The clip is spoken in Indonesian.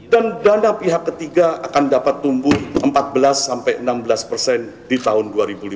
dan dana pihak ketiga akan dapat tumbuh empat belas sampai enam belas persen di tahun dua ribu lima belas